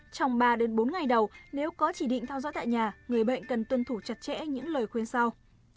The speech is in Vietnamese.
trong ba bốn ngày đầu nếu có chỉ định theo dõi tại nhà người bệnh cần tuân thủ chặt chẽ những lời khuyên sau